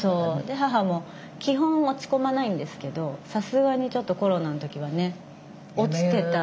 で母も基本落ち込まないんですけどさすがにちょっとコロナの時はね落ちてた。